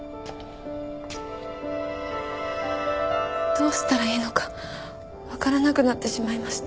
どうしたらいいのかわからなくなってしまいました。